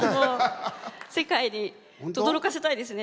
世界にとどろかせたいですね。